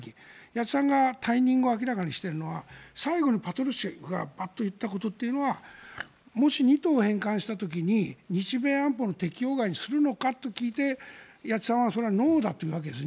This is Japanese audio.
谷内さんが退任後明らかにしているのは最後にパトルシェフがパッと言ったことというのはもし２島を返還した時に日米安保の適用外にするのかと聞いて谷内さんはノーだというわけです。